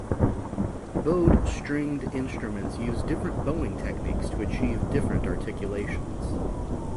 Bowed stringed instruments use different bowing techniques to achieve different articulations.